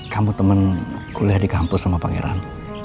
kamu temen kuliah di kampus sama pak regan